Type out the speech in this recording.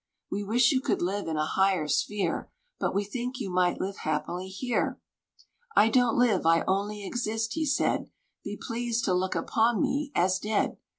We wish you could live in a higher sphere, But we think you might live happily here." "I don't live, I only exist," he said, "Be pleased to look upon me as dead."